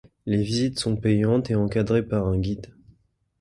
Les visites sont payantes et encadrées par un guide.